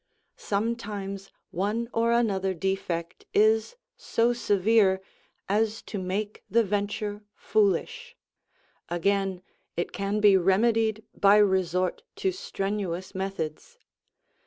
Sometimes one or another defect is so severe as to make the venture foolish; again it can be remedied by resort to strenuous methods.